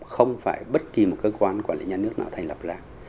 không phải bất kỳ một cơ quan quản lý nhà nước nào thành lập lại